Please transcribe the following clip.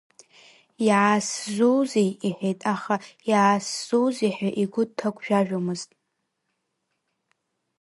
Иаасзуузеи, — иҳәеит, аха иаасзуузеи ҳәа игәы дҭагәжәажәомызт.